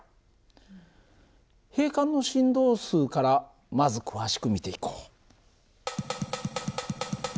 閉管の振動数からまず詳しく見ていこう。